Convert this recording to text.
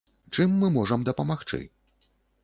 Чым мы можам дапамагчы?